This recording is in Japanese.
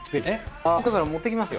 あ僕だから持っていきますよ。